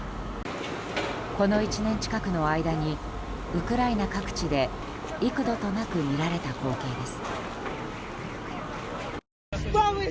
この１年近くの間にウクライナ各地で幾度となく見られた光景です。